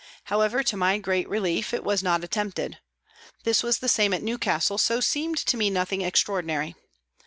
However, to my great relief, it was not attempted. This was the same at Newcastle, so seemed to me nothing extraordinary